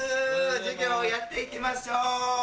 授業をやって行きましょう！